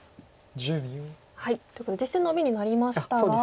ということで実戦ノビになりましたが。